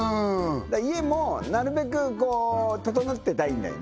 家もなるべく整ってたいんだよね